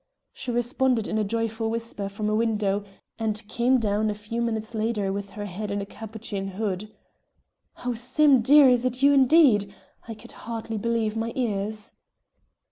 She responded in a joyful whisper from a window, and came down a few minutes later with her head in a capuchin hood. "Oh, Sim! dear, is it you indeed? I could hardly believe my ears."